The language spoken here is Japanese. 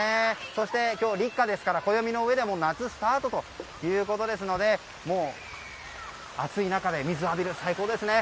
そして今日立夏ですから暦のうえでも夏スタートということですので暑い中で水を浴びる、最高ですね。